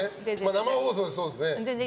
生放送そうっすね。